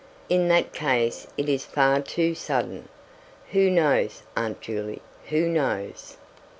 "In that case it is far too sudden." "Who knows, Aunt Juley, who knows?"